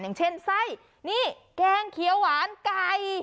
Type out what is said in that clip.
อย่างเช่นใส่แกงเขียวหวานกาย